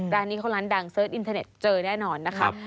ร้านนี้เขาร้านดังเสิร์ชอินเทอร์เน็ตเจอแน่นอนนะคะ